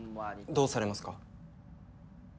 どうされますか？